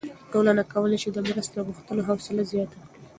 ټولنه کولی شي د مرستې غوښتلو حوصله زیاته کړي.